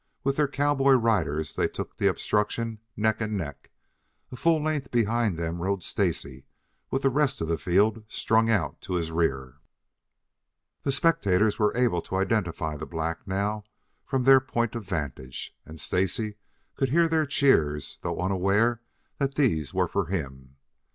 With their cowboy riders they took the obstruction neck and neck. A full length behind them rode Stacy with the rest of the field strung out to his rear. The spectators were able to identify the black now from their point of vantage, and Stacy could hear their cheers, though unaware that these were for him.